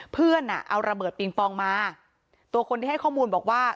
เพื่อนอ่ะเอาระเบิดปิงปองมาตัวคนที่ให้ข้อมูลบอกว่า